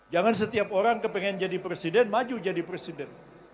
jangan setiap orang ingin menjadi presiden maju menjadi presiden